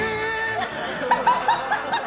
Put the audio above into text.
アハハハ！